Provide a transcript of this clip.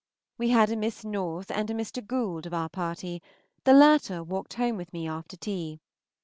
We had a Miss North and a Mr. Gould of our party; the latter walked home with me after tea.